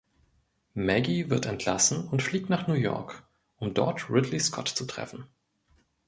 Maggie wird entlassen und fliegt nach New York, um dort Ridley Scott zu treffen.